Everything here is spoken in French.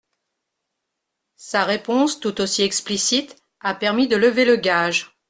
Sa réponse tout aussi explicite a permis de lever le gage.